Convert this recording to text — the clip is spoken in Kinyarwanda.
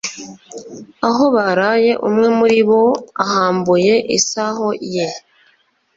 Aho baraye umwe muri bo ahambuye isaho ye